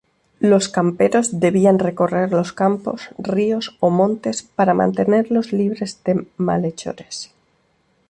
Los camperos debían recorrer los campos, ríos o montes para mantenerlos libres de malhechores.